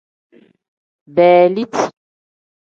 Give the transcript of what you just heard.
Beeliti.